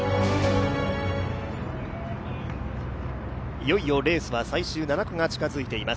いよいよレースは最終７区が近づいています。